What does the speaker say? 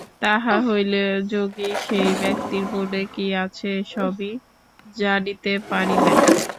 তাহা হইলে যোগী সেই ব্যক্তির মনে কি আছে, সবই জানিতে পারিবেন।